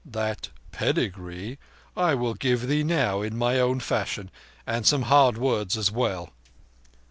"That pedigree I will give thee now—in my own fashion and some hard words as well."